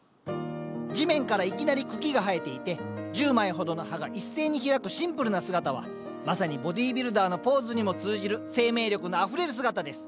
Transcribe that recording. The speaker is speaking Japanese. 地面からいきなり茎が生えていて１０枚ほどの葉が一斉に開くシンプルな姿はまさにボディービルダーのポーズにも通じる生命力のあふれる姿です。